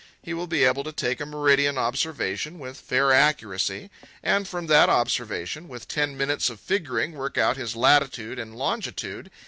He will be able to take a meridian observation with fair accuracy, and from that observation, with ten minutes of figuring, work out his latitude and longitude.